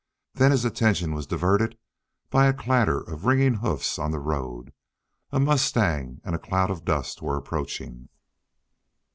Then his attention was diverted by a clatter of ringing hoofs on the road; a mustang and a cloud of dust were approaching.